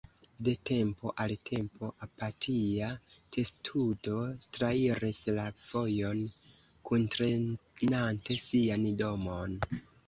De tempo al tempo, apatia testudo trairis la vojon kuntrenante sian domon.